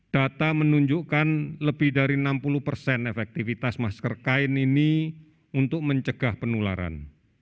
data menunjukkan lebih dari enam puluh persen efektivitas masker kain ini untuk mencegah penularan